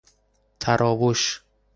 تراوش